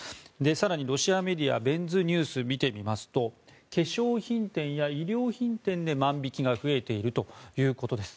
更にロシアメディアベンズニュースを見てみますと化粧品店や衣料品店で万引きが増えているということです。